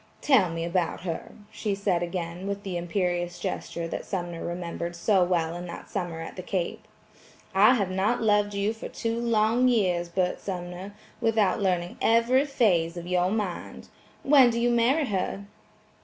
"Tell me about her," she said again with the imperious gesture that Sumner remembered so well in that summer at the Cape. "I have not loved you for two long years, Bert Sumner, without learning every phase of your mind. When do you marry her?"